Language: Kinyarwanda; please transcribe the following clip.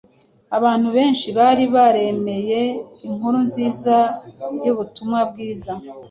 Abantu benshi bari baremeye inkuru nziza y’ubutumwa bwiza